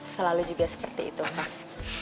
selalu juga seperti itu khas